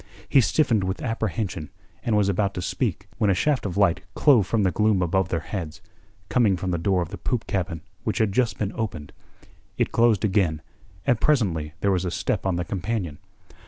He stiffened with apprehension, and was about to speak when a shaft of light clove the gloom above their heads, coming from the door of the poop cabin which had just been opened. It closed again, and presently there was a step on the companion.